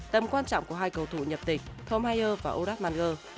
tâm quan trọng của hai cầu thủ nhập tịch tom hajer và ojapmangwe